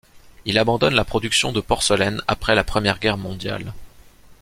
Il abandonne la production de porcelaine après la Première Guerre mondiale.